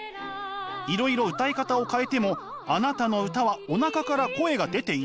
「いろいろ歌い方を変えてもあなたの歌はおなかから声が出ていない。